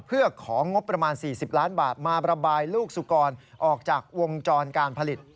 เพื่อของงบประมาณ๔๐ล้านบาทมาระบายลูกสุกรออกจากวงจรการผลิต